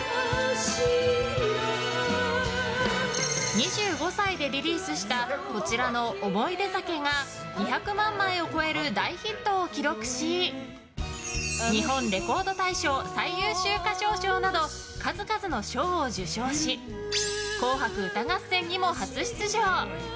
２５歳でリリースしたこちらの「おもいで酒」が２００万枚を超える大ヒットを記録し日本レコード大賞最優秀歌唱賞など数々の賞を受賞し「紅白歌合戦」にも初出場。